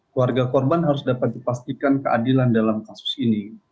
keluarga korban harus dapat dipastikan keadilan dalam kasus ini